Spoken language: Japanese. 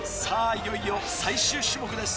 いよいよ最終種目です。